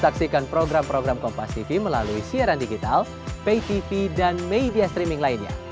saksikan program kompastv melalui siaran digital paytv dan media streaming lainnya